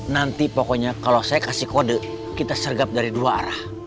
nanti pokoknya kalau saya kasih kode kita sergap dari dua arah